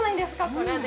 これで。